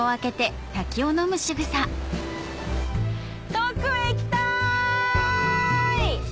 遠くへ行きたい！